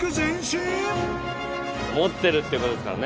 持ってるってことですからね。